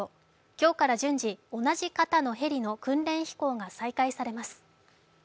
今日から順次、同じ型のヘリの飛行訓練が再開されます。